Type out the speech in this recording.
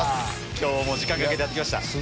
今日も時間かけてやって来ました。